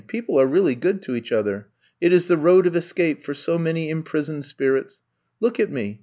People are really good to each other. It is the road of escape for so many imprisoned spirits. Look at me.